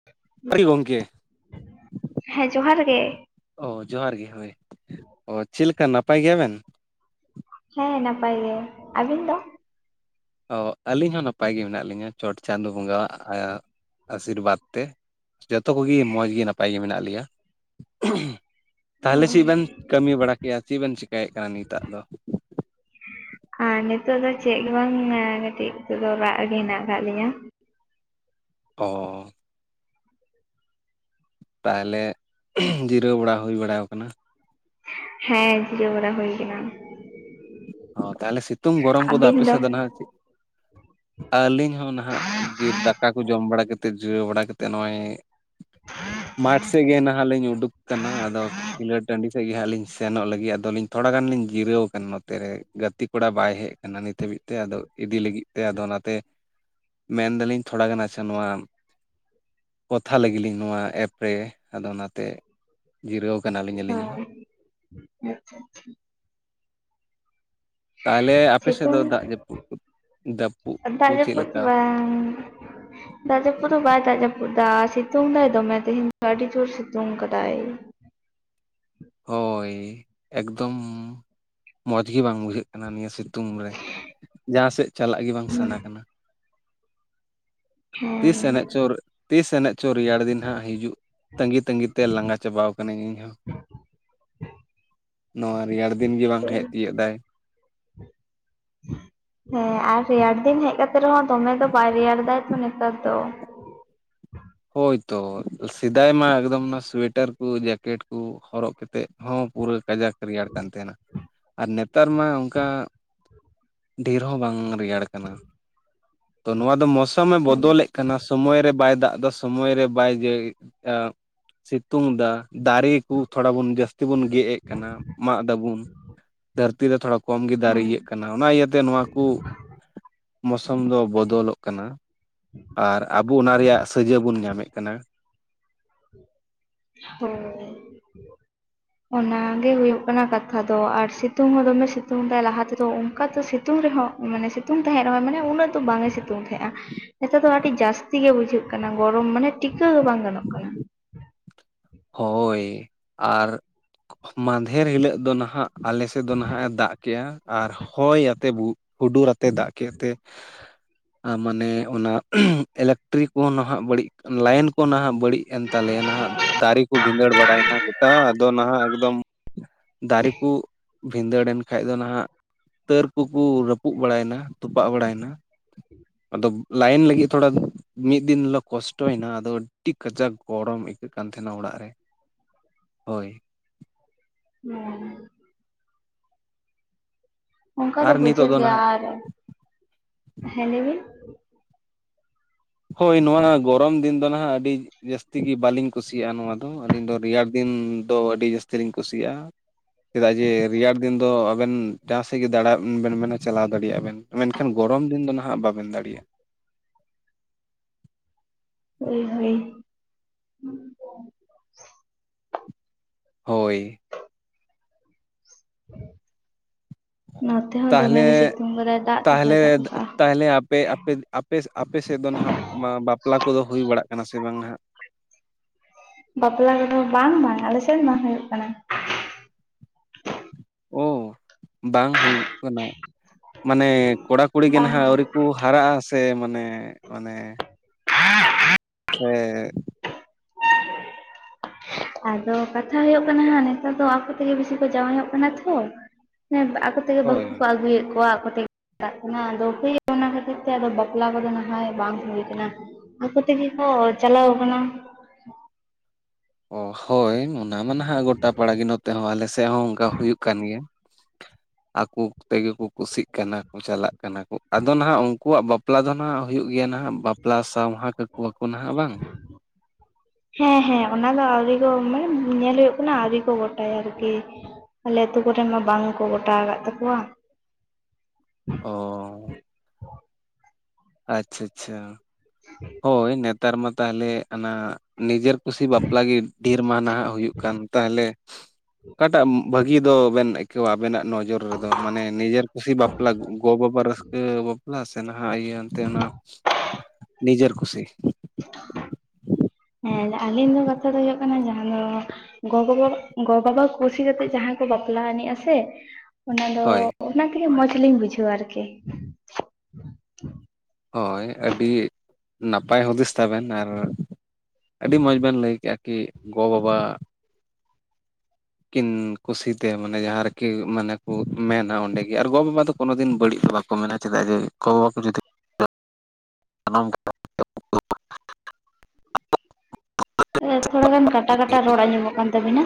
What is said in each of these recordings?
[inaudible] [unintelligible] ᱜᱚᱝᱠᱮ᱾ ᱦᱮᱸ ᱡᱚᱦᱟᱨ ᱜᱮ᱾ ᱚ ᱡᱚᱦᱟᱨ ᱜᱮ ᱦᱳᱭ ᱚ ᱪᱮᱫᱞᱮᱠᱟ ᱱᱟᱯᱟᱭ ᱜᱮᱭᱟᱵᱱ? ᱦᱮᱸ ᱱᱟᱯᱟᱭ ᱜᱮ ᱟᱹᱵᱤᱱ ᱫᱚ? ᱚ ᱟᱹᱞᱤᱧ ᱦᱚᱸ ᱱᱟᱯᱟᱭ ᱜᱮ ᱢᱮᱱᱟᱜ ᱞᱤᱧᱟ᱾ ᱪᱚᱴ ᱪᱟᱸᱫᱚ ᱵᱚᱸᱜᱟᱣᱟᱜ ᱟᱥᱤᱨᱵᱟᱫᱽ ᱛᱮ᱾ ᱡᱚᱛᱚ ᱠᱚᱜᱮ ᱢᱚᱡᱽ ᱜᱮ ᱱᱟᱯᱟᱭ ᱜᱮ ᱢᱮᱱᱟᱜ ᱞᱮᱭᱟ᱾ ᱛᱟᱦᱚᱞᱮ ᱪᱮᱫ ᱵᱮᱱ ᱠᱟᱹᱢᱤ ᱵᱟᱲᱟ ᱠᱮᱭᱟ? ᱪᱮᱫ ᱵᱮᱱ ᱪᱤᱠᱟᱹᱭᱮᱫ ᱠᱟᱱᱟ ᱱᱤᱛᱟᱜ ᱫᱚ? ᱟᱨ ᱱᱤᱛᱳᱜ ᱫᱚ ᱪᱮᱫ ᱜᱮ ᱵᱟᱝ ᱠᱟᱹᱴᱤᱡ ᱱᱤᱛᱳᱜ ᱫᱚ ᱨᱟᱜ ᱨᱮ ᱜᱮ ᱦᱮᱱᱟᱜ ᱟᱠᱟᱫ ᱞᱤᱧᱟᱹ᱾ ᱚ ᱛᱟᱦᱚᱞᱮ ᱡᱤᱨᱟᱹᱣ ᱵᱟᱲᱟ ᱦᱩᱭ ᱵᱟᱲᱟ ᱠᱟᱱᱟ ᱦᱮᱸ ᱡᱤᱨᱟᱹᱣ ᱵᱟᱲᱟ ᱦᱩᱭ ᱠᱟᱱᱟ᱾ ᱚ ᱛᱟᱦᱚᱞᱮ ᱥᱤᱛᱩᱝ ᱜᱚᱨᱚᱢ ᱠᱚᱫᱚ ᱟᱯᱮ ᱥᱮᱫ ᱫᱚ ᱱᱟᱦᱟᱜ ᱪᱮᱫ ᱟᱹᱞᱤᱧ ᱦᱚᱸ ᱱᱟᱦᱟᱜ ᱵᱤᱨ ᱫᱟᱠᱟ ᱠᱚ ᱡᱚᱢ ᱵᱟᱲᱟ ᱠᱟᱛᱮᱫ ᱡᱤᱨᱟᱹᱣ ᱵᱟᱲᱟ ᱠᱟᱛᱮᱫ ᱱᱚᱜᱼᱚᱭ ᱢᱟᱴᱷ ᱥᱮᱫ ᱜᱮ ᱱᱟᱦᱟᱜ ᱞᱤᱧ ᱩᱰᱩᱠ ᱟᱠᱟᱱᱟ᱾ᱟᱫᱚ ᱠᱷᱮᱞᱳᱴ ᱴᱟᱺᱰᱤ ᱥᱮᱜ ᱜᱮ ᱦᱟᱸᱜ ᱞᱤᱧ ᱥᱮᱱᱚᱜ ᱞᱟᱹᱜᱤᱫ ᱟᱫᱚ ᱞᱤᱧ ᱛᱷᱚᱲᱟ ᱜᱟᱱ ᱞᱤᱧ ᱡᱤᱨᱟᱹᱣᱠᱟᱱ ᱱᱚᱛ ᱛᱮᱨᱮ ᱜᱟᱛᱮ ᱠᱚᱲᱟ ᱵᱟᱭ ᱦᱮᱜ ᱠᱟᱱᱟ ᱱᱤᱛ ᱦᱟᱹᱵᱤᱡ ᱛᱮ ᱟᱫᱚ ᱤᱫᱤ ᱞᱟᱹᱜᱤᱫ ᱛᱮ ᱟᱫᱚ ᱚᱱᱟᱛᱮ ᱢᱮᱱᱫᱟᱞᱤᱧ ᱛᱷᱚᱲᱟ ᱜᱟᱱ ᱟᱪᱪᱷᱟ ᱱᱚᱣᱟ ᱠᱚᱛᱷᱟ ᱞᱮᱜᱤᱧ ᱱᱚᱣᱟ ᱮᱯ ᱨᱮ, ᱟᱫᱚ ᱚᱱᱟᱛᱮ ᱡᱤᱨᱟᱹᱣ ᱠᱟᱱᱟᱞᱤᱧ ᱟᱹᱞᱤᱧ ᱦᱚᱸ ᱦᱳᱭ ᱟᱪᱪᱷᱟ ᱛᱟᱦᱚᱞᱮ ᱟᱯᱮ ᱥᱮᱫ ᱫᱚ ᱥᱤᱛᱩᱝ ᱫᱟᱜ ᱡᱟᱹᱯᱩᱫ ᱡᱟᱹᱯᱩᱫ ᱠᱚ ᱫᱟᱜ ᱪᱮᱫ ᱡᱟᱹᱯᱩᱫ ᱞᱮᱠᱟ ᱵᱟᱝ ᱫᱟᱜ ᱡᱟᱹᱯᱩᱫ ᱫᱚ ᱵᱟᱭ ᱫᱟᱜ ᱡᱟᱹᱯᱩᱫ ᱫᱟ, ᱥᱤᱛᱩᱝ ᱫᱟᱭ ᱫᱚᱢᱮ ᱛᱮᱦᱮᱧ ᱫᱚ ᱟᱹᱰᱤ ᱡᱳᱨ ᱥᱤᱛᱩᱝ ᱠᱟᱫᱟᱭ᱾ ᱦᱳᱭ ᱮᱠᱫᱚᱢ ᱢᱚᱡᱽ ᱜᱮ ᱵᱟᱝ ᱵᱩᱡᱷᱟᱹᱜ ᱠᱟᱱᱟ ᱱᱤᱭᱟᱹ ᱥᱮᱫ᱾ ᱛᱩᱝ ᱨᱮ ᱡᱟᱦᱟᱸ ᱥᱮᱫ ᱪᱟᱞᱟᱜ ᱜᱮ ᱵᱟᱝ ᱥᱟᱱᱟ ᱠᱟᱱᱟ᱾ ᱦᱮᱸ ᱛᱤᱥ ᱮᱱᱮᱡ ᱪᱚᱨ [unintelligible] ᱛᱤᱥ ᱮᱱᱮᱡ ᱪᱚ ᱨᱮᱭᱟᱲ ᱫᱤᱱ ᱦᱟᱸᱜ ᱦᱤᱡᱩᱜ ᱛᱟᱹᱜᱤ, ᱛᱟᱸᱜᱤ ᱛᱮ ᱞᱟᱸᱜᱟ ᱪᱟᱵᱟᱟᱣ ᱠᱟᱹᱱᱟᱹᱧ ᱤᱧᱦᱚᱸ᱾ ᱱᱚᱣᱟ ᱨᱮᱭᱟᱲ ᱫᱤᱱ ᱜᱮ ᱵᱟᱝ ᱦᱮᱡ ᱛᱤᱭᱳᱜ ᱫᱟᱭ᱾ ᱦᱮᱸ ᱟᱨ ᱨᱮᱭᱟᱲ ᱫᱤᱱ ᱦᱮᱡ ᱠᱟᱛᱮ ᱨᱮᱦᱚᱸ ᱫᱚᱢᱮ ᱫᱚ ᱵᱟᱭ ᱨᱮᱭᱟᱲ ᱫᱟᱭ ᱛᱚ ᱱᱮᱛᱟᱨ ᱫᱚ᱾ ᱦᱳᱭ ᱛᱚ ᱥᱮᱫᱟᱭ ᱢᱟ ᱮᱠᱫᱚᱢ ᱚᱱᱟ ᱥᱩᱭᱮᱴᱟᱨ ᱠᱚ ᱡᱮᱠᱮᱴ ᱠᱚ ᱦᱚᱨᱚᱜ ᱠᱟᱛ ᱛᱮᱫ ᱦᱚᱸ ᱯᱩᱨᱟᱹ ᱠᱟᱡᱟᱠ ᱨᱮᱭᱟᱲ ᱠᱟᱱ ᱛᱟᱦᱮᱸᱱᱟ ᱟᱨ ᱱᱮᱛᱟᱨ ᱢᱟ ᱚᱱᱠᱟ ᱰᱷᱮᱨ ᱦᱚᱸ ᱵᱟᱝ ᱨᱮᱭᱟᱲ ᱠᱟᱱᱟ᱾ ᱛᱚ ᱱᱚᱣᱟ ᱫᱚ ᱢᱳᱥᱩᱚᱢᱮ ᱦᱮᱸ ᱵᱚᱫᱚᱞᱮᱫ ᱠᱟᱱᱟ ᱥᱚᱢᱚᱭ ᱨᱮ ᱵᱟᱭ ᱫᱟᱜ ᱥᱮ ᱥᱚᱢᱚᱭ ᱨᱮ ᱵᱟᱭ ᱡᱟᱹ ᱟᱹ ᱥᱤᱛᱩᱝ ᱮᱫᱟ ᱫᱟᱨᱮ ᱠᱚ ᱛᱷᱚᱲᱟ ᱵᱚᱱ ᱡᱟᱹᱥ ᱛᱮᱵᱚᱱ ᱜᱮᱫ ᱮᱫ ᱠᱟᱱᱟ ᱢᱟᱜ ᱫᱟᱵᱚᱱ ᱫᱷᱟᱹᱨᱛᱤ ᱨᱮ ᱛᱷᱚᱲᱟ ᱠᱚᱢ ᱜᱮ ᱫᱟᱨᱮ ᱤᱭᱟᱹᱜ ᱦᱮᱸ ᱠᱟᱱᱟ᱾ ᱚᱱᱟ ᱤᱭᱟᱹᱛᱮ ᱱᱚᱣᱟ ᱠᱩ ᱢᱚᱥᱚᱢ ᱫᱚ ᱵᱚᱫᱚᱞᱚᱜ ᱠᱟᱱᱟ᱾ ᱟᱨ ᱟᱵᱚ ᱚᱱᱟ ᱨᱮᱭᱟᱜ ᱥᱟᱹᱡᱟᱹ ᱵᱚᱱ ᱧᱟᱢᱮᱫ ᱠᱟᱱᱟ᱾ ᱦᱳᱭ ᱚᱱᱟ ᱜᱮ ᱦᱩᱭᱩᱜ ᱠᱟᱱᱟ ᱠᱟᱛᱷᱟ ᱫᱚ, ᱟᱨ ᱥᱤᱛᱩᱝ ᱦᱚᱸ ᱫᱚᱢᱮ ᱥᱤᱛᱩᱝ ᱫᱟᱭ ᱞᱟᱦᱟ ᱛᱮᱫᱚ ᱚᱱᱠᱟ ᱥᱤᱛ ᱥᱤᱛᱩᱝ ᱨᱮᱦᱚᱸ ᱢᱟᱱᱮ ᱥᱤᱛᱩᱝ ᱛᱟᱦᱮᱸᱫ ᱨᱮᱦᱚᱸ ᱢᱟᱱᱮ ᱩᱱᱟᱹᱜ ᱫᱚ ᱵᱟᱝ ᱮ ᱥᱤᱛᱩᱝ ᱛᱟᱦᱮᱸᱜᱼᱟ᱾ ᱱᱮᱛᱟᱨ ᱫᱚ ᱟᱹᱰᱤ ᱡᱟᱹᱥᱛᱤ ᱜᱮ ᱵᱩᱡᱷᱟᱹᱜ ᱠᱟᱱᱟ ᱜᱚᱨᱚᱢ᱾ ᱢᱟᱱᱮ ᱴᱤᱠᱟᱹᱣ ᱦᱚᱸ ᱵᱟᱝ ᱜᱟᱱᱚᱜ ᱠᱟᱱᱟ᱾ ᱦᱳᱭ ᱟᱨ ᱢᱟᱫᱷᱮᱨ ᱦᱤᱞᱟᱹᱜ ᱫᱚ ᱱᱟᱦᱟᱜ ᱟᱞᱮ ᱥᱮᱫ ᱫᱚ ᱱᱟᱦᱟᱜ ᱮ ᱫᱟᱜ ᱠᱮᱜᱼᱟ ᱟᱨ ᱦᱚᱭ ᱟᱛᱮ ᱵᱩ ᱦᱩᱰᱩᱨ ᱟᱛᱮ ᱫᱟᱜ ᱠᱮᱫ ᱛᱮ ᱢᱟᱱᱮ ᱚᱱᱟ ᱤᱞᱮᱠᱴᱨᱤ ᱠᱚ ᱱᱟᱦᱟᱜ ᱵᱟᱹᱲᱤᱡ, ᱞᱟᱭᱤᱱ ᱠᱚ ᱱᱟᱦᱟᱜ ᱵᱟᱹᱲᱤᱡ ᱮᱱ ᱛᱟᱞᱮᱭᱟ ᱱᱟᱦᱟᱜ ᱫᱟᱨᱮ ᱠᱚ ᱵᱷᱤᱸᱫᱟᱹᱲ ᱵᱟᱲᱟᱭᱮᱱᱟ ᱜᱚᱴᱟ᱾ ᱟᱫᱚ ᱱᱟᱦᱟᱜ ᱮᱠᱫᱚᱢ ᱫᱟᱨᱤᱠᱩ ᱵᱷᱤᱸᱫᱟᱹᱲᱮᱱ ᱠᱷᱟᱱᱡ ᱫᱚ ᱱᱟᱦᱟᱜ ᱛᱟᱹᱨ ᱠᱩᱠᱩ ᱨᱟᱹᱯᱩᱫ ᱵᱟᱲᱟᱭᱮᱱᱟ ᱛᱚᱯᱟᱜ ᱵᱟᱲᱟᱭᱮᱱᱟ᱾ ᱟᱫᱚ ᱞᱟᱭᱤᱱ ᱞᱟᱹᱜᱤᱫ ᱛᱷᱚᱲᱟ ᱫᱚ ᱢᱤᱫ ᱫᱤᱱ ᱦᱤᱞᱳ ᱠᱚᱥᱴᱚᱭᱮᱱᱟ ᱟᱫᱚ ᱟᱹᱰᱤ ᱠᱟᱡᱟᱠ ᱜᱚᱨᱚᱢ ᱟᱹᱭᱠᱟᱹᱜ ᱠᱟᱱ ᱛᱟᱦᱮᱸᱱᱟ ᱚᱲᱟᱜ ᱨᱮ ᱦᱳᱭ᱾ [unintelligible] ᱚᱱᱠᱟ ᱫᱚ ᱟᱨ ᱱᱤᱛᱚᱜ ᱵᱩᱡᱷᱟᱹᱜ ᱜᱮᱭᱟ, ᱱᱟᱦᱟᱜ ᱟᱨ ᱦᱮᱸ ᱞᱟᱹᱭ ᱵᱤᱱ? ᱦᱳᱭ ᱱᱚᱣᱟ ᱱᱟᱜ ᱜᱚᱨᱚᱢ ᱫᱤᱱ ᱫᱚ ᱱᱟᱜ ᱟᱹᱰᱤᱼᱼ ᱡᱟᱹᱥᱛᱤ ᱜᱮ ᱵᱟᱹᱞᱤᱧ ᱠᱩᱥᱤᱭᱟᱜᱼᱟ ᱱᱚᱣᱟ ᱫᱚ, ᱟᱹᱞᱤᱧ ᱫᱚ ᱨᱮᱭᱟᱲ ᱫᱤᱱ ᱫᱚ ᱟᱹᱰᱤ ᱡᱟᱹᱥᱛᱤ ᱞᱤᱧ ᱠᱩᱥᱤᱭᱟᱜᱼᱟ᱾ ᱪᱮᱫᱟᱜ ᱡᱮ ᱨᱮᱭᱟᱲ ᱫᱤᱱ ᱫᱚ ᱟᱵᱮᱱ ᱡᱟᱦᱟᱸ ᱥᱮᱫ ᱜᱮ ᱫᱟᱬᱟ ᱵᱮᱱ ᱢᱮᱱᱟ ᱪᱟᱞᱟᱣ ᱫᱟᱲᱮᱭᱟᱜᱼᱟ ᱵᱮᱱ᱾ ᱢᱮᱱᱠᱷᱟᱱ ᱜᱚᱨᱚᱢ ᱫᱤᱱ ᱫᱚ ᱱᱟᱜ ᱵᱟᱵᱮᱱ ᱫᱟᱲᱮᱭᱟᱜᱼᱟ᱾ ᱦᱳᱭ ᱦᱳᱭ᱾ ᱦᱳᱭ᱾ ᱱᱚᱛᱮ ᱦᱚᱸ ᱫᱚᱢᱮ ᱛᱟᱦᱚᱞᱮ ᱜᱮ ᱥᱤᱛᱩᱝ ᱠᱟᱫᱟᱭ ᱫᱟᱜ ᱫᱚ ᱵᱟᱭ ᱛᱟᱦᱚᱞᱮ ᱫᱟᱜ ᱠᱟᱜᱼᱟ᱾ ᱛᱟᱦᱚᱞᱮ ᱟᱯᱮ ᱟᱯᱮ ᱟᱯᱮ ᱟᱯᱮᱥᱮᱫ ᱫᱚ ᱱᱟᱜ ᱵᱟᱯᱞᱟ ᱠᱚᱫᱚ ᱦᱩᱭ ᱵᱟᱲᱟᱜ ᱠᱟᱱᱟ ᱥᱮ ᱵᱟᱝ ᱦᱟᱸᱜ? ᱵᱟᱯᱞᱟ ᱨᱮᱫᱚ ᱵᱟᱝ ᱵᱟᱝ ᱟᱞᱮ ᱥᱮᱫ ᱵᱟᱝ ᱦᱩᱭᱩᱜ ᱠᱟᱱᱟ᱾ ᱳ ᱵᱟᱝ ᱦᱩᱭᱩᱜ ᱠᱟᱱᱟ ᱢᱟᱱᱮ ᱠᱚᱲᱟ ᱠᱩᱲᱤ ᱜᱮ ᱵᱟᱝ ᱱᱟᱦᱟᱜ ᱟᱹᱣᱨᱤ, ᱠᱩ ᱦᱟᱨᱟᱜᱼᱟ ᱥᱮ ᱢᱟᱱᱮ ᱢᱟᱱᱮ ᱥᱮᱸ ᱟᱫᱚ ᱠᱟᱛᱷᱟ ᱦᱳᱭᱳᱜ ᱠᱟᱱᱟ ᱦᱟᱜ ᱱᱮᱛᱟᱨ ᱫᱚ ᱟᱠᱚ ᱛᱮᱜᱮ ᱵᱤᱥᱤ ᱠᱚ ᱡᱟᱶᱟᱭᱚᱜ ᱠᱟᱱᱟ ᱛᱷᱚ᱾ ᱟᱠᱚ ᱛᱮᱜᱮ ᱵᱟᱦᱩ ᱦᱳᱭ ᱠᱚ ᱟᱹᱜᱩᱭᱮᱫ ᱠᱚᱣᱟ ᱟᱠᱚ ᱛᱮ᱾ ᱪᱟᱜ ᱠᱚᱱᱟ ᱟᱫᱚ ᱚᱱᱟ ᱠᱷᱟᱹᱛᱤᱨ ᱛᱮ ᱟᱫᱚ ᱵᱟᱯᱞᱟ ᱠᱚᱫᱚ ᱱᱟᱦᱟᱭ ᱵᱟᱝ ᱦᱩᱭ ᱠᱟᱱᱟ᱾ ᱟᱠᱚ ᱛᱮᱜᱮ ᱠᱚ ᱪᱟᱞᱟᱣ ᱠᱟᱱᱟ᱾ ᱚᱸ ᱦᱳᱭ᱾ ᱚᱱᱟ ᱢᱟ ᱱᱟᱜ ᱜᱚᱴᱟ ᱯᱟᱲᱟ ᱜᱮ ᱱᱚᱛᱮ ᱦᱚᱸ ᱟᱞᱮ ᱥᱮᱫ ᱦᱚᱸ ᱚᱱᱠᱟ ᱦᱩᱭᱩᱜ ᱠᱟᱱ ᱜᱮᱭᱟ᱾ ᱟᱠᱚ ᱛᱮᱜᱮ ᱠᱚ ᱠᱩᱥᱤᱼᱜ ᱠᱟᱱᱟ᱾ ᱪᱟᱞᱟᱜ ᱠᱟᱱᱟ ᱠᱚ ᱟᱫᱚ ᱱᱟᱜ ᱩᱱᱠᱩᱣᱟᱜ ᱵᱟᱯᱞᱟ ᱫᱚ ᱱᱟᱜ ᱦᱩᱭᱩᱜ ᱜᱮᱭᱟ ᱱᱟᱜ᱾ ᱯᱮᱞᱟ ᱥᱟᱶᱦᱟ ᱠᱟᱠᱚᱣᱟ ᱠᱚ ᱱᱟᱦᱟᱜ ᱵᱟᱝ᱾ ᱦᱮᱸ ᱦᱮᱸ ᱚᱱᱟ ᱫᱚ ᱟᱣᱨᱤ ᱠᱚ ᱢᱟᱱᱮ ᱧᱮᱞ ᱦᱩᱭᱩᱜ ᱠᱟᱱᱟ ᱟᱹᱣᱨᱤ ᱠᱚ ᱜᱚᱴᱟᱭᱟ ᱟᱨᱠᱤ᱾ ᱟᱞᱮ ᱟᱹᱛᱩ ᱠᱚᱨᱮ ᱢᱟ ᱵᱟᱝᱠᱚ ᱜᱚᱴᱟ ᱠᱟᱜ ᱛᱟᱠᱚᱣᱟ᱾ ᱚᱸ ᱟᱪ ᱪᱷᱟ ᱪᱷᱟ᱾ ᱦᱳᱭ ᱱᱮᱛᱟᱨ ᱢᱟ ᱛᱟᱦᱚᱞᱮ ᱚᱱᱟ ᱱᱤᱡᱮᱨᱼᱼ ᱠᱩᱥᱤ ᱵᱟᱯᱞᱟᱜ ᱜᱮ ᱰᱷᱮᱨ ᱢᱟᱼᱱᱟ ᱦᱩᱭᱩᱜ ᱠᱟᱱ ᱛᱟᱦᱚᱞᱮ ᱚᱠᱟᱴᱟᱜ ᱵᱷᱟᱹᱜᱤ ᱫᱚ ᱵᱮᱱ ᱟᱵᱮᱱᱟᱜ ᱱᱚᱡᱚᱨ ᱨᱮᱫᱚ ᱢᱟᱱᱮ ᱱᱤᱡᱮᱨ ᱠᱩᱥᱤ ᱵᱟᱯᱞᱟ ᱜᱚ ᱵᱟᱵᱟ ᱨᱟᱹᱥᱠᱟᱹ᱾ ᱱᱟᱥᱮ ᱱᱟᱜ ᱤᱭᱟᱹ ᱮᱱᱛᱮ ᱚᱱᱟ ᱱᱤᱡᱮᱨ ᱠᱩᱥᱤ᱾ ᱦᱮᱸ ᱟᱹᱞᱤᱧ ᱫᱚ ᱠᱟᱛᱷᱟ ᱫᱚ ᱦᱳᱭᱳᱜ ᱠᱟᱱᱟ ᱡᱟᱦᱟᱸ ᱫᱚ ᱜᱚ ᱵᱚᱵᱟ, ᱜᱚ ᱵᱟᱵᱟ ᱠᱩᱥᱤ ᱠᱟᱛᱮᱜ ᱡᱟᱦᱟᱸᱭ ᱠᱚ ᱵᱟᱯᱞᱟ ᱟᱱᱤᱡᱼᱟ ᱥᱮ᱾ ᱚᱱᱟ ᱫᱚ ᱦᱳᱭ ᱚᱱᱟ ᱛᱮᱜᱮ ᱢᱚᱸᱡᱽ ᱞᱤᱧ ᱵᱩᱡᱷᱟᱹᱣᱟ ᱟᱨᱠᱤ᱾ ᱦᱳᱭ ᱟᱹᱰᱤ ᱱᱟᱯᱟᱭ ᱦᱩᱫᱤᱥ ᱛᱟᱵᱮᱱ, ᱟᱨ ᱟᱹᱰᱤ ᱢᱚᱸᱡᱽ ᱵᱮᱱ ᱞᱟᱹᱭ ᱠᱮᱜᱼᱟ ᱠᱤ ᱜᱚ ᱵᱟᱵᱟ᱾ ᱠᱤᱱ ᱠᱩᱥᱤᱛᱮ ᱢᱟᱱᱮ ᱡᱟᱦᱟᱸ ᱨᱮᱠᱤ ᱢᱟᱱᱮ ᱠᱚ ᱢᱮᱱᱟ ᱚᱸᱰᱮᱜᱮ ᱟᱨ ᱜᱚᱼᱵᱟᱵᱟ ᱫᱚ ᱠᱳᱱᱳ ᱫᱤᱱ ᱵᱟᱹᱲᱤᱡ ᱫᱚ ᱵᱟᱠᱚ ᱢᱮᱱᱟ ᱪᱮᱫᱟᱜ ᱡᱮ ᱜᱚᱼᱵᱟ ᱠᱚ ᱡᱩᱫᱤ [inaudible] [unintelligible] ᱛᱷᱚᱲᱟ ᱜᱟᱱ ᱠᱟᱴᱟ ᱠᱟᱴᱟ ᱨᱚᱲ ᱟᱸᱡᱚᱢᱚᱜ ᱠᱟᱱ᱾ ᱛᱟᱹᱵᱤᱱᱟ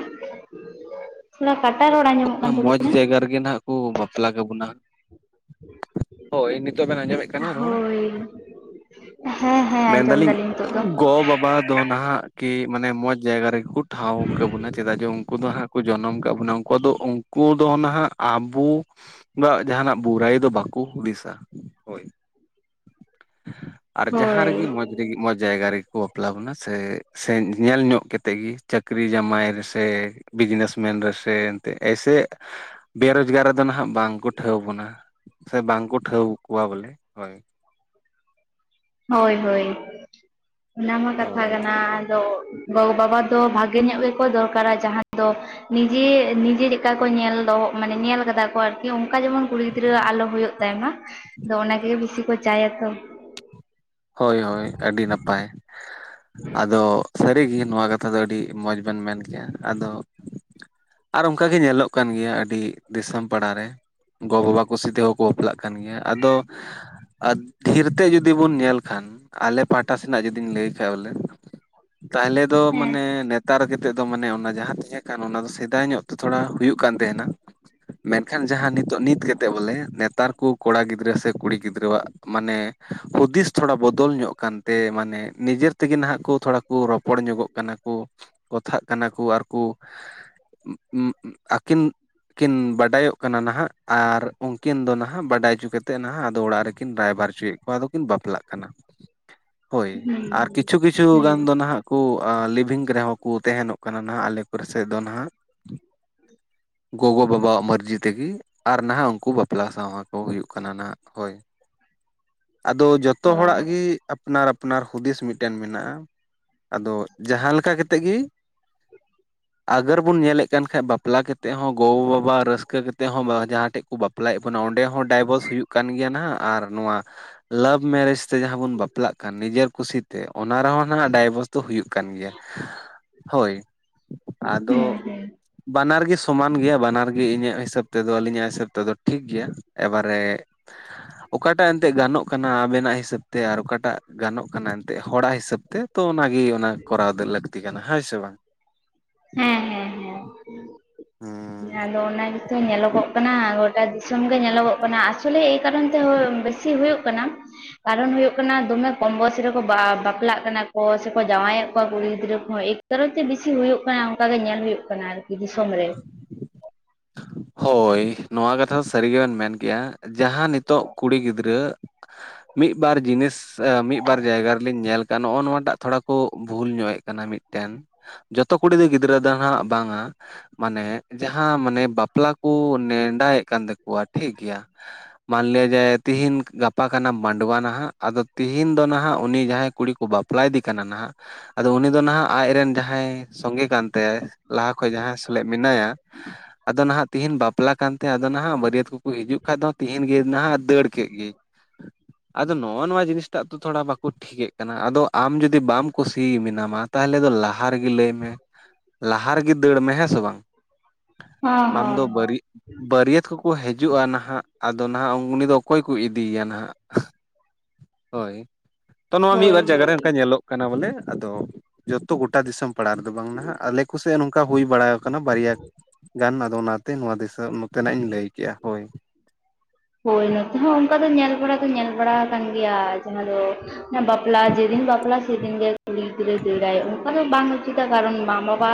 ᱛᱷᱚᱲᱟ ᱠᱟᱴᱟ ᱨᱚᱲ ᱧᱟᱢᱚᱜ ᱢᱚᱸᱡᱽ ᱡᱟᱭᱜᱟ ᱨᱮᱜᱮ ᱱᱟᱜ ᱠᱚ ᱵᱟᱯᱞᱟ ᱠᱟᱵᱚᱱᱟ᱾ ᱦᱳᱭ ᱱᱤᱛᱳᱜ ᱵᱮᱱ ᱟᱸᱡᱚᱢᱮᱜ ᱠᱟᱱᱟ ᱨᱚᱲ? [unintelligible] ᱦᱮ, ᱸ ᱦᱮᱸ᱾ ᱟᱸᱡᱚᱢ ᱢᱮᱱᱫᱟᱞᱤᱧ ᱫᱟᱞᱤᱧ ᱱᱤᱛᱚᱜ ᱫᱚ ᱜᱚ ᱵᱟᱵᱟ ᱫᱚ ᱱᱟᱦᱟᱜ ᱠᱤ ᱢᱟᱱᱮ ᱢᱚᱸᱡᱽ ᱡᱟᱭᱜᱟ ᱨᱮᱜᱮ ᱠᱚ ᱴᱷᱟᱶ ᱠᱟᱵᱚᱱᱟ ᱪᱮᱫᱟᱜ ᱡᱮ ᱩᱱᱠᱩ ᱫᱚ ᱦᱟᱸᱜ ᱠᱚ ᱡᱚᱱᱚᱢ ᱠᱟᱜ ᱵᱚᱱᱟ ᱩᱱᱠᱩ ᱫᱚ ᱩᱱᱠᱩ ᱫᱚ ᱱᱟᱦᱟᱜ ᱟᱵᱚ ᱵᱟᱜ ᱡᱟᱦᱟᱱᱟᱜ ᱵᱩᱨᱟᱹᱭ ᱫᱚ ᱵᱟᱠᱚ ᱦᱩᱫᱤᱥᱟ ᱦᱳᱭ᱾ [inaudible] ᱟᱨ ᱡᱟᱦᱟᱸ ᱦᱳᱭ ᱨᱮᱜᱮ ᱢᱚᱸᱡᱽ ᱨᱮᱜᱮ, ᱢᱚᱸᱡᱽ ᱡᱟᱭᱜᱟ ᱨᱮᱜᱮ ᱠᱚ ᱵᱟᱯᱞᱟ ᱵᱚᱱᱟ ᱥᱮ ᱥᱮ ᱧᱮᱞ ᱧᱚᱜ ᱠᱟᱛᱮ ᱜᱮ᱾ ᱪᱟᱹᱠᱨᱤ ᱡᱟᱢᱟᱭ ᱨᱮ ᱥᱮ ᱵᱤᱡᱽᱱᱮᱥ ᱢᱮᱱ ᱨᱮᱥᱮ ᱮᱱᱛᱮᱫ ᱮᱭᱥᱮ᱾ ᱵᱮᱨᱚᱡᱽᱜᱟᱨ ᱨᱮᱫᱚ ᱱᱟᱦᱟᱜ ᱵᱟᱝᱠᱚ ᱴᱷᱟᱹᱣ ᱵᱚᱱᱟ ᱥᱮ ᱵᱟᱝ ᱠᱚ ᱴᱷᱟᱹᱣ ᱠᱚᱣᱟ ᱵᱚᱞᱮ ᱦᱳᱭ᱾ ᱦᱳᱭ ᱦᱳᱭ ᱚᱱᱟᱢᱟ ᱠᱟᱛᱷᱟ ᱦᱳᱭ ᱠᱟᱱᱟ ᱟᱫᱚ᱾ ᱜᱚ ᱵᱟᱵᱟ ᱫᱚ ᱵᱷᱟᱜᱮ ᱧᱚᱜ ᱜᱮᱠᱚ ᱫᱚᱨᱠᱟᱨᱟ ᱡᱟᱦᱟᱸ ᱫᱚ ᱱᱤᱡᱮ ᱱᱤᱡᱮ ᱪᱮᱠᱟ ᱠᱚ ᱧᱮᱞ ᱫᱚ ᱢᱟᱱᱮ ᱧᱮᱞ ᱠᱟᱫᱟ ᱠᱚ ᱟᱨᱠᱤ᱾ ᱚᱱᱠᱟ ᱡᱮᱢᱚᱱ ᱠᱩᱲᱤ ᱜᱤᱫᱽᱨᱟᱹ ᱟᱞᱚ ᱦᱩᱭᱩᱜ ᱛᱟᱭ ᱢᱟ, ᱟᱫᱚ ᱚᱱᱟ ᱜᱮ ᱵᱤᱥᱤ ᱠᱚ ᱪᱟᱭᱟ ᱛᱚ᱾ ᱦᱳᱭ ᱦᱳᱭ ᱟᱹᱰᱤ ᱱᱟᱯᱟᱭ ᱟᱫᱚ᱾ ᱥᱟᱹᱨᱤ ᱜᱮ ᱱᱚᱣᱟ ᱠᱟᱛᱷᱟ ᱫᱚ ᱟᱹᱰᱤ ᱢᱚᱸᱡᱽ ᱵᱮᱱ ᱢᱮᱱ ᱠᱮᱭᱟ᱾ ᱟᱫᱚ ᱟᱨ ᱚᱱᱠᱟ ᱜᱮ ᱧᱮᱞᱚᱜ ᱠᱟᱱ ᱜᱮᱭᱟ, ᱟᱹᱰᱤ ᱫᱤᱥᱚᱢ ᱯᱟᱲᱟ ᱨᱮ ᱜᱚᱼᱵᱟᱵᱟ ᱠᱩᱥᱤ ᱛᱮᱦᱚᱸ᱾ ᱵᱟᱯᱞᱟᱜ ᱠᱟᱱ ᱜᱮᱭᱟ᱾ᱟᱫᱚ ᱟᱛᱠᱤᱨ ᱛᱮ ᱡᱩᱫᱤ ᱵᱚᱱ ᱧᱮᱞ ᱠᱷᱟᱱ ᱟᱞᱮ ᱯᱟᱦᱴᱟ ᱥᱮᱱᱟᱜ ᱡᱩᱫᱤᱧ ᱞᱟᱹᱭ ᱠᱷᱟᱡ ᱵᱚᱞᱮ ᱛᱟᱦᱚᱞᱮ ᱫᱚ ᱦᱮᱸ ᱢᱟᱱᱮ᱾ ᱠᱟᱨ ᱠᱟᱛᱮᱫ ᱫᱚ ᱢᱟᱱᱮ ᱚᱱᱟ ᱡᱟᱦᱟᱸ ᱛᱟᱦᱮᱸ ᱠᱟᱱ ᱚᱱᱟ ᱫᱚ ᱥᱮᱫᱟᱭ ᱧᱚᱜ ᱛᱮ ᱛᱷᱚᱲᱟ ᱦᱩᱭᱩᱜ ᱠᱟᱱ ᱛᱟᱦᱮᱱᱟ᱾ ᱢᱮᱱᱠᱷᱟᱱ ᱡᱟᱦᱟᱸ ᱱᱤᱛᱚᱜ ᱱᱤᱛ ᱠᱟᱛᱮᱫ ᱵᱚᱞᱮ, ᱱᱮᱛᱟᱨ ᱠᱚ ᱠᱚᱲᱟ ᱜᱤᱫᱽᱨᱟᱹ ᱥᱮ ᱠᱩᱲᱤ ᱜᱤᱫᱽᱨᱟᱹᱣᱟᱜ᱾ ᱢᱟᱱᱮ ᱦᱩᱫᱤᱥ ᱛᱷᱚᱲᱟ ᱵᱚᱫᱚᱞ ᱧᱚᱜ ᱠᱟᱱᱛᱮ ᱢᱟᱱᱮ ᱱᱤᱡᱮ ᱛᱮᱜᱮ ᱱᱟᱦᱟᱜ ᱠᱚ ᱛᱷᱚᱲᱟ ᱠᱚ ᱨᱚᱯ ᱨᱚᱯᱚᱲ ᱧᱚᱜᱚᱜ ᱠᱟᱱᱟ ᱠᱚ ᱠᱚᱛᱷᱟᱜ ᱠᱟᱱᱟ ᱠᱚ ᱟᱨ ᱠᱚ ᱟᱹᱠᱤᱱ ᱠᱤᱱ ᱵᱟᱰᱟᱭᱚᱜ ᱠᱟᱱᱟ ᱱᱟᱦᱟᱜ ᱟᱨ ᱩᱱᱠᱤᱱ ᱫᱚ ᱱᱟᱦᱟᱜ ᱵᱟᱰᱟᱭ ᱦᱚᱪᱚ ᱠᱟᱛᱮᱫ ᱱᱟᱦᱟᱜ, ᱟᱫᱚ ᱚᱲᱟᱜ ᱨᱮᱠᱤᱱ ᱨᱟᱹᱭᱵᱟᱨ ᱚᱪᱚᱭᱮᱫ ᱟᱫᱚ ᱠᱤᱱ ᱵᱟᱯᱞᱟᱜ ᱠᱟᱱᱟ ᱦᱳᱭ ᱦᱩᱸ ᱟᱨ ᱠᱤᱪᱷᱩ ᱠᱤᱪᱷᱩ ᱦᱩᱸ ᱜᱟᱱ ᱫᱚ᱾ ᱱᱟᱦᱟᱜ ᱠᱚ ᱞᱤᱵᱷᱤᱝ ᱨᱮᱦᱚᱸ ᱠᱚ ᱛᱟᱦᱮᱱᱚᱜ ᱠᱟᱱᱟ ᱱᱟᱦᱟᱜ ᱟᱞᱮ ᱠᱚᱨᱮ ᱥᱮᱫ ᱫᱚ ᱱᱟᱦᱟᱜ᱾ ᱜᱚᱜᱚ ᱵᱟᱵᱟᱣᱟᱜ ᱢᱟᱨᱡᱤ ᱛᱮᱜᱮ ᱟᱨ ᱱᱟᱦᱟᱜ ᱩᱱᱠᱩ ᱵᱟᱯᱞᱟ ᱥᱟᱶᱦᱟ ᱠᱚ ᱦᱩᱭᱩᱜ ᱠᱟᱱᱟ ᱱᱟᱦᱟᱜ᱾ ᱦᱳᱭ᱾ᱟᱫᱚ ᱡᱚᱛᱚ ᱚ ᱦᱚᱲᱟᱜ ᱜᱮ᱾ ᱟᱯᱱᱟᱨ ᱟᱯᱱᱟᱨ ᱦᱩᱫᱤᱥ ᱢᱤᱫᱴᱮᱱ ᱢᱮᱱᱟᱜᱼᱟ᱾ᱟᱫᱚ ᱡᱟᱦᱟᱸ ᱞᱮᱠᱟ ᱠᱟᱛᱮᱫ ᱜᱮ᱾ [inaudible] ᱟᱜᱚᱨ ᱵᱚᱱ ᱧᱮᱞᱮᱫ ᱠᱟᱱ ᱠᱷᱟᱡ ᱵᱟᱯᱞᱟ ᱠᱟᱛᱮᱫ ᱦᱚᱸ ᱜᱚᱼᱵᱟᱵᱟ ᱨᱟᱹᱥᱠᱟᱹ ᱠᱟᱛᱮᱫ ᱦᱚᱸ ᱡᱟᱦᱟᱸ ᱴᱷᱮᱡ ᱠᱚ ᱵᱟᱯᱼᱼ ᱵᱟᱯᱞᱟᱭᱮᱫ ᱵᱚᱱᱟ ᱚᱸᱰᱮ ᱦᱚᱸ ᱰᱟᱭᱵᱚᱨᱥ ᱦᱩᱭᱩᱜ ᱠᱟᱱ ᱜᱮᱭᱟ ᱱᱟᱜ ᱟᱨ ᱱᱚᱣᱟ ᱞᱟᱵᱷ᱾ ᱢᱮᱨᱮᱡᱽ ᱛᱮ ᱡᱟᱦᱟᱸ ᱵᱚᱱ ᱵᱟᱯᱞᱟᱜ ᱠᱟᱱ ᱱᱤᱡᱮᱨ ᱠᱩᱥᱤᱛᱮ, ᱚᱱᱟ ᱨᱮᱦᱚᱸ ᱱᱟᱦᱟᱜ ᱰᱟᱭᱵᱚᱨᱥ ᱦᱩᱭᱩᱜ ᱠᱟᱱ ᱜᱮᱭᱟ ᱦᱳᱭ ᱦᱩᱸ ᱟᱫᱚ᱾ ᱦᱩᱸ ᱦᱮᱸ ᱵᱟᱱᱟᱨ ᱜᱮ ᱥᱚᱢᱟᱱ ᱜᱮᱭᱟ ᱵᱟᱱᱟᱨ ᱜᱮ ᱤᱧᱟᱹᱜ ᱦᱤᱥᱟᱹᱵ ᱛᱮᱫᱚ ᱟᱹᱞᱤᱧᱟᱜ ᱦᱤᱥᱟᱹᱵ ᱛᱮᱫᱚ ᱴᱷᱤᱠ ᱜᱮᱭᱟ᱾ ᱮᱵᱟᱨᱮ- ᱚᱠᱟᱴᱟᱜ ᱮᱱᱛᱮᱫ ᱜᱟᱱᱚᱜ ᱠᱟᱱᱟ ᱟᱵᱮᱱᱟᱜ ᱦᱤᱥᱟᱹᱵ ᱛᱮ ᱟᱨ ᱚᱠᱟᱴᱟᱜ ᱜᱟᱱᱚᱜ ᱠᱟᱱᱟ ᱮᱱᱛᱮᱫ ᱦᱚᱲᱟᱜ ᱦᱤᱥᱟᱹᱵ ᱛᱮ ᱛᱚ ᱚᱱᱟ ᱜᱮ ᱚᱱᱟ ᱠᱚᱨᱟᱣ ᱫᱚ ᱞᱟᱹᱠᱛᱤ ᱠᱟᱱᱟ ᱦᱮᱸ ᱥᱮ ᱵᱟᱝ? ᱦᱮᱸ ᱦᱮᱸ ᱦᱮᱸ ᱦᱩᱸ ᱟᱫᱚ ᱚᱱᱟ ᱜᱮᱛᱚ ᱧᱮᱞᱚᱜᱚᱜ ᱠᱟᱱᱟ᱾ ᱜᱚᱴᱟ ᱫᱤᱥᱚᱢ ᱜᱮ ᱧᱮᱞᱚᱜᱚᱜ ᱠᱟᱱᱟ ᱟᱥᱚᱞᱮ᱾ ᱠᱟᱨᱚᱱ ᱛᱮ ᱦᱳᱭ ᱵᱮᱥᱤ ᱦᱩᱭᱩᱜ ᱠᱟᱱᱟ ᱠᱟᱨᱚᱱ ᱦᱩᱭᱩᱜ ᱠᱟᱱᱟ᱾ ᱫᱚᱢᱮ ᱠᱚᱢ ᱵᱚᱭᱚᱥ ᱨᱮᱠᱚ ᱵᱟᱯᱞᱟᱜ ᱠᱟᱱᱟ ᱠᱚ ᱥᱮᱠᱚ ᱡᱟᱶᱟᱭᱮᱫ ᱠᱚᱣᱟ ᱠᱩᱲᱤ ᱜᱤᱫᱽᱨᱟᱹ ᱠᱚᱦᱚᱸ ᱮ᱾ ᱠᱟᱨᱚᱱ ᱛᱮ ᱵᱤᱥᱤ ᱦᱩᱭᱩᱜ ᱠᱟᱱᱟ ᱚᱱᱠᱟ ᱜᱮ ᱧᱮᱞ ᱦᱩᱭᱩᱜ ᱠᱟᱱᱟ ᱟᱨᱠᱤ ᱫᱤᱥᱚᱢ ᱨᱮ᱾ ᱦᱳᱭ ᱱᱚᱣᱟ ᱠᱟᱛᱷᱟ ᱥᱟᱹᱨᱤ ᱜᱮᱵᱮᱱ ᱢᱮᱱ ᱠᱮᱜᱼᱟ᱾ ᱡᱟᱦᱟᱸ ᱱᱤᱛᱚᱜ ᱠᱩᱲᱤ ᱜᱤᱫᱽᱨᱟᱹ ᱢᱤᱫ ᱵᱟᱨ ᱡᱤᱱᱤᱥ ᱢᱤᱫ ᱵᱟᱨ ᱡᱟᱭᱜᱟ ᱨᱮᱞᱤᱧ ᱧᱮᱞ ᱱᱚᱜᱼᱚ ᱱᱚᱣᱟᱴᱟᱜ ᱛᱷᱚᱲᱟ ᱠᱚ ᱵᱷᱩᱞ ᱧᱚᱜ ᱮᱫ ᱠᱟᱱᱟ ᱢᱤᱫ ᱴᱮᱱ᱾ ᱡᱚᱛᱚ ᱠᱩᱲᱤ ᱫᱚ ᱜᱤᱫᱽᱨᱟᱹ ᱫᱚ ᱦᱟᱸᱜ ᱵᱟᱝᱼᱟ, ᱢᱟᱱᱮ ᱡᱟᱦᱟᱸ ᱢᱟᱱᱮ ᱵᱟᱯ ᱵᱟᱯᱞᱟ ᱠᱚ ᱱᱮᱰᱟᱭᱮᱫ ᱠᱟᱱ ᱛᱟᱠᱚᱣᱟ ᱴᱷᱤᱠ ᱜᱮᱭᱟ᱾ ᱢᱟᱱᱞᱤᱭᱟ ᱡᱮ ᱛᱤᱦᱤᱧ ᱜᱟᱯᱟ ᱠᱟᱱᱟ ᱢᱟᱰᱣᱟ ᱱᱟᱦᱟᱜ ᱟᱫᱚ ᱛᱤᱦᱤᱧ ᱫᱚ ᱱᱟᱦᱟᱜ ᱩᱱᱤ ᱡᱟᱦᱟᱸᱭ ᱠᱩᱲᱤ ᱠᱚ ᱵᱟᱯᱞᱟ ᱯᱞᱟᱫᱤ ᱠᱟᱱᱟ ᱱᱟᱦᱟᱸᱜ᱾ ᱟᱫᱚ ᱩᱱᱤ ᱫᱚ ᱱᱟᱦᱟᱜ ᱟᱡᱨᱮᱱ ᱡᱟᱦᱟᱸᱭ ᱥᱚᱸᱜᱮ ᱠᱟᱱ ᱛᱟᱭᱟ ᱞᱟᱦᱟ ᱠᱷᱚᱱ ᱡᱟᱦᱟᱸᱭ᱾ ᱢᱮᱱᱟᱭᱟ ᱟᱫᱚ ᱱᱟᱦᱟᱜ ᱛᱤᱦᱤᱧ ᱵᱟᱯᱞᱟ ᱠᱟᱱ ᱛᱟᱭᱟ, ᱟᱫᱚ ᱱᱟᱦᱟᱜ ᱵᱟᱹᱨᱭᱟᱹᱛ ᱠᱚᱠᱚ ᱦᱤᱡᱩᱜ ᱠᱷᱟᱱ ᱫᱚ ᱛᱮᱦᱤᱧ ᱮᱱ ᱜᱮ ᱱᱟᱦᱟᱜ ᱫᱟᱹᱲ ᱠᱮᱫ ᱜᱮ ᱟᱫᱚ ᱱᱚᱜᱼᱚ ᱱᱚᱣᱟ ᱡᱤᱱᱤᱥᱴᱟᱜ ᱛᱚ ᱛᱷᱚᱲᱟ ᱵᱟᱠᱚ᱾ ᱴᱷᱤᱠᱟᱹᱜ ᱠᱟᱱᱟ ᱟᱫᱚ ᱟᱢ ᱡᱩᱫᱤ ᱵᱟᱢ ᱠᱩᱥᱤ ᱢᱮᱱᱟᱢᱟ ᱛᱟᱦᱚᱞᱮ ᱫᱚ ᱞᱟᱦᱟ ᱨᱮᱜᱮ ᱞᱟᱹᱭ ᱢᱮ ᱾ ᱞᱟᱦᱟ ᱨᱮᱜᱮ ᱫᱟᱹᱲ ᱢᱮ ᱦᱮᱸ ᱥᱮ ᱵᱟᱝ᱾ ᱦᱚᱸ ᱵᱟᱝ ᱦᱚᱸ ᱫᱚ ᱵᱟᱹᱨᱤ ᱵᱟᱹᱨᱭᱟᱹᱛ ᱠᱚᱠᱚ ᱦᱤᱡᱩᱜᱼᱟ ᱱᱟᱦᱟᱜ ᱟᱫᱚ ᱱᱟᱦᱟᱜ ᱩᱱᱤ ᱫᱚ ᱚᱠᱚᱭ ᱠᱚ ᱤᱫᱤᱭᱮᱭᱟ ᱱᱟᱦᱟᱜ ᱦᱳᱭ ᱛᱚ ᱱᱚᱣᱟ ᱢᱤᱫ ᱦᱳᱭ ᱵᱟᱨ ᱡᱟᱭᱜᱟ ᱦᱳᱭ ᱨᱮ ᱚᱱᱠᱟ ᱧᱮᱞᱚᱜ ᱠᱟᱱᱟ ᱵᱚᱞᱮ ᱟᱫᱚ ᱡᱚᱛᱚ ᱜᱚᱴᱟ ᱫᱤᱥᱚᱢ ᱯᱟᱲᱟ ᱨᱮᱫᱚ ᱵᱟᱝ ᱱᱟᱦᱟᱜ ᱟᱞᱮ ᱠᱚ ᱥᱮᱜ ᱱᱚᱝᱠᱟ ᱦᱩᱭ ᱵᱟᱲᱟ ᱠᱟᱱᱟ ᱵᱟᱨᱭᱟ ᱜᱟᱱ ᱾ ᱛᱚ ᱚᱱᱟᱛᱮ ᱱᱚᱣᱟᱹ ᱱᱚᱛᱮᱱᱟᱜ ᱤᱧ ᱞᱟᱹᱭ ᱠᱮᱫᱼᱟ ᱦᱳᱭ᱾ ᱦᱳᱭ ᱱᱚᱛᱮ ᱦᱚᱸ ᱚᱱᱠᱟ ᱫᱚ ᱧᱮᱞ ᱵᱟᱲᱟ ᱫᱚ ᱧᱮᱞ ᱵᱟᱲᱟ ᱟᱠᱟᱱ ᱜᱮᱭᱟ ᱡᱟᱦᱟᱸ ᱫᱚ ᱵᱟᱯᱞᱟ ᱡᱮᱫᱤᱱ ᱵᱟᱯᱞᱟ ᱥᱮᱫᱤᱱ ᱜᱮ ᱠᱩᱲᱤ ᱜᱤᱫᱽᱨᱟᱹᱭ ᱫᱟᱹᱲᱟᱭ, ᱚᱱᱠᱟ ᱫᱚ ᱵᱟᱝ ᱩᱪᱤᱛᱟ ᱠᱟᱨᱚᱱ ᱢᱟ ᱵᱟᱵᱟ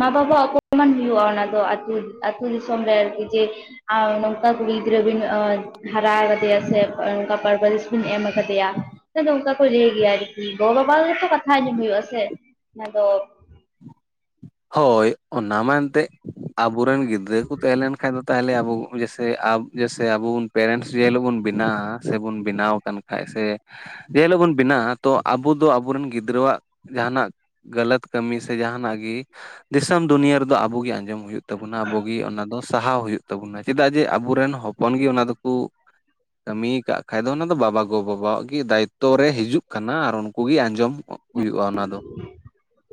ᱢᱟ ᱵᱟᱵᱟ ᱚᱯᱚᱢᱟᱱ ᱦᱩᱭᱩᱜᱼᱟ ᱚᱱᱟ ᱫᱚ ᱟᱹᱛᱩ, ᱟᱹᱛᱩ ᱫᱤᱥᱚᱢ ᱨᱮ ᱟᱨᱠᱤ ᱡᱮ, ᱟᱨ ᱱᱚᱝᱠᱟ ᱠᱩᱲᱤ ᱜᱤᱫᱽᱨᱟᱹ ᱵᱤᱱ ᱦᱟᱨᱟ ᱟᱠᱟᱫᱮᱭᱟ ᱥᱮ ᱚᱱᱠᱟ ᱯᱟᱨᱵᱟᱨᱤᱥ ᱵᱤᱱ ᱮᱢ ᱟᱠᱟᱫᱮᱭᱟ ᱟᱫᱚ ᱚᱱᱠᱟ ᱾ ᱠᱚ ᱞᱟᱹᱭ ᱜᱮᱭᱟ ᱟᱨᱠᱤ ᱜᱚᱵᱟᱵᱟ ᱜᱮᱛᱚ ᱠᱟᱛᱷᱟ ᱟᱸᱡᱚᱢ ᱦᱩᱭᱩᱜᱼᱟ ᱥᱮ ᱚᱱᱟ ᱫᱚ ᱦᱳᱭ ᱚᱱᱟ ᱢᱟ ᱮᱱᱛᱮᱜ, ᱟᱵᱚᱨᱮᱱ ᱜᱤᱫᱽᱨᱟᱹ ᱠᱚ ᱛᱟᱦᱮᱸ ᱞᱮᱱᱠᱷᱟᱱ ᱫᱚ ᱛᱟᱦᱚᱞᱮ ᱟᱵᱚ ᱡᱮᱥᱮ ᱡᱮᱥᱮ ᱟᱵᱩᱱ ᱯᱮᱨᱮᱱᱴᱥ ᱡᱮ ᱦᱤᱞᱳᱜ ᱵᱚᱱ ᱵᱮᱱᱟᱜᱣᱟ ᱥᱮᱵᱚᱱ ᱵᱮᱱᱟᱣ ᱟᱠᱟᱱ ᱾ ᱦᱮᱸ ᱥᱮ ᱡᱮ ᱦᱤᱞᱳᱜ ᱵᱚᱱ ᱵᱮᱱᱟᱜᱼᱟ, ᱛᱚ ᱟᱵᱚ ᱫᱚ ᱟᱵᱚᱨᱮᱱ ᱜᱤᱫᱽᱨᱟᱹᱣᱟᱜ ᱡᱟᱦᱟᱱᱟᱜ ᱜᱟᱹᱞᱟᱹᱛ ᱠᱟᱹᱢᱤ ᱥᱮ ᱡᱟᱦᱟᱱᱟᱜ ᱜᱮ ᱾ ᱫᱤᱥᱚᱢ ᱫᱩᱱᱤᱭᱟᱹ ᱨᱮᱫᱚ ᱟᱵᱚ ᱜᱮ, ᱟᱸᱡᱚᱢ ᱦᱩᱭᱩᱜ ᱛᱟᱵᱚᱱᱟ ᱟᱵᱚᱜ ᱜᱮ ᱚᱱᱟ ᱫᱚ ᱾ ᱥᱟᱦᱟᱣ ᱦᱩᱭᱩᱜ ᱛᱟᱵᱚᱱᱟ ᱪᱮᱫᱟᱜ ᱡᱮ ᱟᱵᱚᱨᱮᱱ ᱦᱚᱯᱚᱱ ᱜᱮ ᱚᱱᱟ ᱫᱚᱠᱚ ᱠᱟᱹᱢᱤᱭ ᱠᱟᱜ ᱠᱷᱟᱡ ᱫᱚ ᱚᱱᱟ ᱫᱚ ᱵᱟᱵᱟ ᱜᱚ ᱵᱟᱵᱟᱣᱟᱜ ᱜᱮ ᱫᱟᱭᱤᱛᱚ ᱾ ᱚᱠᱛᱚ ᱨᱮ ᱦᱤᱡᱩᱜ ᱠᱟᱱᱟ ᱟᱨ ᱩᱱᱠᱩ ᱜᱮ ᱟᱸᱡᱚᱢ ᱦᱩᱭᱩᱜᱼᱟ ᱚᱱᱟ ᱫᱚ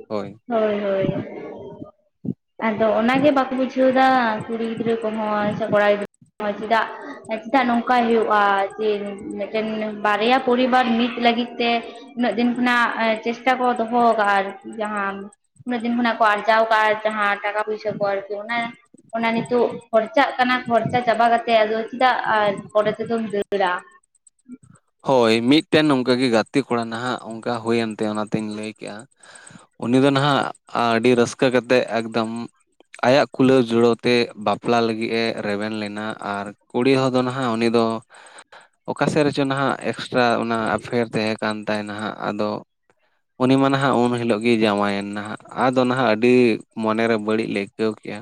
ᱦᱳᱭ ᱦᱳᱭ ᱦᱳᱭ᱾ [inaudible] ᱟᱫᱚ ᱚᱱᱟᱜᱮ ᱵᱟᱠᱚ ᱵᱩᱡᱷᱟᱹᱣᱫᱟ, ᱠᱩᱲᱤ ᱜᱤᱫᱽᱨᱟᱹ ᱠᱚᱦᱚᱸ ᱥᱮ ᱠᱚᱲᱟ ᱜᱤᱫᱽᱨᱟᱹ ᱠᱚᱦᱚᱸ ᱪᱤᱫᱟᱜ ᱪᱮᱫᱟᱜ ᱱᱚᱝᱠᱟᱭ ᱦᱩᱭᱩᱜᱼᱟ, ᱡᱮ ᱢᱤᱫᱴᱮᱱ ᱵᱟᱨᱭᱟ ᱯᱚᱨᱤᱵᱟᱨ ᱢᱤᱫ ᱞᱟᱹᱜᱤᱫ ᱛᱮ ᱩᱱᱟᱹᱜ ᱫᱤᱱ ᱠᱷᱚᱱᱟᱜ ᱪᱮᱥᱴᱟ ᱵᱚ ᱫᱚᱦᱚ ᱠᱟᱜᱼᱟ ᱟᱨᱠᱤ ᱡᱟᱦᱟᱸ ᱩᱱᱟᱹᱜ ᱫᱤᱱ ᱠᱷᱚᱱᱟᱜ ᱠᱚ ᱟᱨᱡᱟᱣ ᱟᱠᱟᱫ ᱡᱟᱦᱟᱸ ᱴᱟᱠᱟ ᱯᱚᱭᱥᱟᱹ ᱠᱚ ᱟᱨᱠᱤ ᱚᱱᱟ ᱚᱱᱟ ᱱᱤᱛᱚᱜ ᱠᱷᱚᱨᱪᱟᱜ ᱠᱟᱱᱟ ᱠᱷᱚᱨᱪᱟ ᱪᱟᱵᱟ ᱠᱟᱛᱮᱜ ᱟᱫᱚ ᱪᱮᱫᱟᱜ ᱯᱚᱨᱮ ᱛᱮᱫᱚᱢ ᱫᱟᱹᱲᱟ ᱾ ᱦᱳᱭ ᱢᱤᱫᱴᱮᱱ ᱱᱚᱝᱠᱟ ᱜᱮ ᱜᱟᱛᱮ ᱠᱚᱲᱟ ᱱᱟᱦᱟᱜ, ᱚᱱᱠᱟ ᱦᱩᱭᱮᱱ ᱛᱟᱭᱟ ᱚᱱᱟᱛᱤᱧ ᱞᱟᱹᱭ ᱠᱮᱜᱼᱟ ᱾ ᱩᱱᱤ ᱫᱚ ᱱᱟᱦᱟᱜ ᱟᱹᱰᱤ ᱨᱟᱹᱥᱠᱟᱹ ᱠᱟᱛᱮᱜ ᱮᱠᱫᱚᱢ ᱟᱭᱟᱜ ᱠᱩᱞᱟᱹᱣ ᱡᱩᱲᱟᱹᱣ ᱛᱮ ᱵᱟᱯᱞᱟ ᱞᱟᱹᱜᱤᱜ ᱮ ᱨᱮᱵᱮᱱ ᱞᱮᱱᱟ ᱟᱨ ᱠᱩᱲᱤ ᱦᱚᱲ ᱫᱚ ᱱᱟᱦᱟᱜ ᱩᱱᱤ ᱫᱚ, ᱚᱠᱟᱥᱮᱫ ᱨᱮᱪᱚ ᱱᱟᱦᱟᱜ ᱮᱠᱥᱴᱨᱟ ᱚᱱᱟ ᱮᱯᱷᱮᱭᱟᱨ ᱛᱮ ᱠᱟᱱ ᱛᱟᱭ ᱱᱟᱦᱟᱜ ᱟᱫᱚ ᱩᱱᱤ ᱢᱟ ᱱᱟᱦᱟᱜ ᱩᱱ ᱦᱤᱞᱳᱜ ᱜᱮ ᱡᱟᱶᱟᱭᱮᱱ ᱱᱟᱦᱟᱜ, ᱟᱫᱚ ᱱᱟᱦᱟᱜ ᱟᱹᱰᱤ ᱢᱚᱱᱮᱨᱮ ᱵᱟᱹᱲᱤᱡ ᱞᱮ ᱟᱹᱭᱠᱟᱹᱣ ᱠᱮᱜᱼᱟ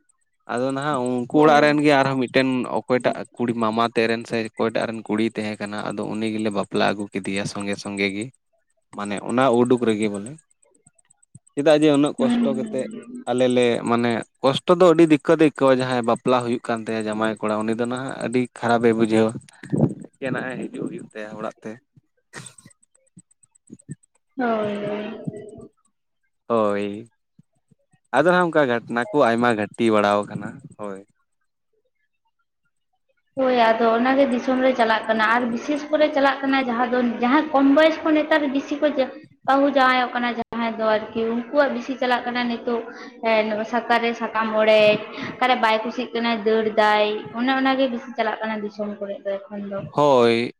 ᱾ ᱟᱫᱚ ᱱᱟᱦᱟᱜ ᱩᱱᱠᱩ ᱦᱳᱭ ᱚᱲᱟᱜ ᱦᱩᱸ ᱨᱮᱱ ᱜᱮ ᱟᱨᱦᱚᱸ ᱢᱤᱫᱴᱮᱱ ᱚᱠᱚᱭᱴᱟᱜ ᱠᱩᱲᱤ ᱢᱟᱢᱟ ᱛᱮᱜ ᱨᱮᱱ ᱥᱮ ᱚᱠᱚᱭᱴᱟᱜ ᱨᱮᱱ ᱠᱩᱲᱤ ᱛᱮᱦᱮᱸ ᱠᱟᱱᱟ ᱟᱫᱚ ᱩᱱᱤ ᱜᱮᱞᱮ ᱵᱟᱯᱞᱟ ᱟᱹᱜᱩ ᱠᱮᱫᱮᱭᱟ ᱥᱚᱸᱜᱮ ᱥᱚᱸᱜᱮ ᱜᱮ ᱾ ᱢᱟᱱᱮ ᱚᱱᱟ ᱩᱰᱩᱠ ᱨᱮᱜᱮ ᱵᱚᱞᱮ ᱾ ᱪᱮᱫᱟᱜ ᱡᱮ ᱩᱱᱟᱹᱜ ᱦᱩᱸ ᱠᱚᱥᱴᱚ ᱠᱟᱛᱮᱜ ᱟᱞᱮ ᱞᱮ ᱢᱟᱱᱮ ᱠᱚᱥᱴᱚ ᱫᱚ ᱟᱹᱰᱤ ᱫᱤᱠᱠᱟ ᱛᱮᱭ ᱟᱹᱭᱠᱟᱹᱣᱟ ᱡᱟᱦᱟᱸᱭ ᱵᱟᱯᱞᱟ ᱦᱩᱭᱩᱜ ᱠᱟᱱ ᱛᱟᱭᱟ ᱡᱟᱢᱟᱭ ᱠᱚᱲᱟ ᱩᱱᱤ ᱫᱚ ᱱᱟᱦᱟᱜ ᱟᱹᱰᱤ ᱠᱷᱟᱨᱟᱯᱮ ᱵᱩᱡᱷᱟᱹᱣᱟ᱾ ᱮᱱᱟᱜ ᱮ ᱦᱤᱡᱩᱜ ᱦᱩᱭᱩᱜ ᱛᱟᱭᱟ ᱚᱲᱟᱜ ᱛᱮ᱾ [inaudible] ᱦᱳᱭ ᱦᱚᱭ ᱾ ᱦᱳᱭ ᱟᱫᱚ ᱱᱟᱜ ᱚᱱᱠᱟ ᱜᱷᱚᱴᱱᱟ ᱠᱚ ᱟᱭᱢᱟ ᱜᱷᱟᱴᱤ ᱵᱟᱲᱟ ᱟᱠᱟᱱᱟ ᱦᱳᱭ ᱦᱳᱭ ᱟᱫᱚ ᱚᱱᱟᱜᱮ ᱫᱤᱥᱚᱢ ᱨᱮ ᱪᱟᱞᱟᱜ ᱠᱟᱱᱟ ᱟᱨ ᱵᱤᱥᱮᱥ ᱠᱚᱨᱮ ᱪᱟᱞᱟᱜ ᱠᱟᱱᱟ ᱡᱟᱦᱟᱸ ᱫᱚ ᱡᱟᱦᱟᱸᱭ ᱠᱚᱢ ᱵᱚᱭᱚᱥ ᱠᱷᱚᱱ ᱱᱮᱛᱟᱨ ᱵᱮᱥᱤ ᱠᱚ ᱵᱟᱹᱦᱩ ᱡᱟᱶᱟᱭᱚᱜ ᱠᱟᱱᱟ ᱡᱟᱦᱟᱸᱭ ᱫᱚ ᱟᱨᱠᱤ ᱩᱱᱠᱩᱣᱟᱜ ᱵᱮᱥᱤ ᱪᱟᱞᱟᱜ ᱠᱟᱱᱟ ᱱᱤᱛᱚᱜ ᱥᱟᱠᱟᱨ ᱨᱮ ᱥᱟᱠᱟᱢ ᱚᱲᱮᱡ ᱚᱠᱟᱨᱮ ᱵᱟᱭ ᱠᱩᱥᱤᱜ ᱠᱟᱱᱟᱭ ᱫᱟᱹᱲ ᱫᱟᱭ, ᱚᱱᱮ ᱚᱱᱟᱜᱮ ᱵᱮᱥᱤ ᱪᱟᱞᱟᱜ ᱠᱟᱱᱟ ᱫᱤᱥᱚᱢ ᱠᱚᱨᱮᱜ ᱫᱚ ᱮᱠᱷᱚᱱ ᱫᱚ ᱾ ᱦᱳᱭ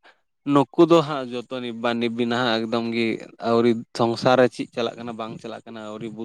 ᱱᱩᱠᱩ ᱫᱚ ᱦᱟᱸᱜ ᱡᱚᱛᱚ ᱱᱤᱵᱽᱵᱟ ᱱᱤᱵᱤ ᱱᱷᱟᱜ ᱮᱠᱫᱚᱢ ᱜᱮ ᱟᱣᱨᱤ ᱥᱚᱝᱥᱟᱨ ᱨᱮ ᱪᱮᱫ ᱪᱟᱞᱟᱜ ᱠᱟᱱᱟ ᱵᱟᱝ ᱪᱟᱞᱟᱜ ᱠᱟᱱᱟ ᱟᱣᱨᱤ ᱵᱩᱫᱽᱫᱷᱤ